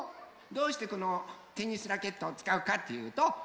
どうしてこのテニスラケットをつかうかっていうと